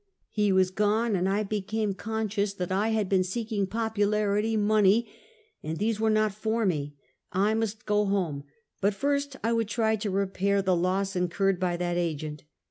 He was gone, and I became conscious that I had been seeking popularity, money, and these were not for me; I must go home, but first I would try to repair the loss incurred by that agent.